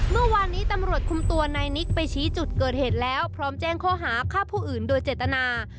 เมื่อวานนี้ตำรวจคุมตัวนายนิกไปชี้จุดเกิดเหตุแล้วพร้อมแจ้งข้อหาฆ่าผู้อื่นโดยเจตนา